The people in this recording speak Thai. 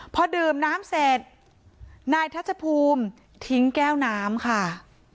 พอดื่มน้ำเสร็จนายทัชภูมิทิ้งแก้วน้ำค่ะ